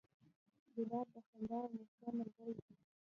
ګلاب د خندا او موسکا ملګری دی.